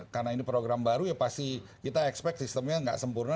karena ini program baru ya pasti kita expect sistemnya tidak sempurna